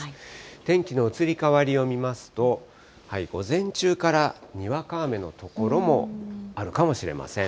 天気の移り変わりを見ますと、午前中からにわか雨の所もあるかもしれません。